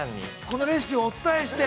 ◆このレシピをお伝えして。